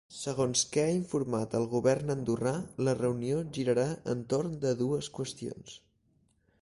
Segons que ha informat el govern andorrà, la reunió girarà entorn de dues qüestions.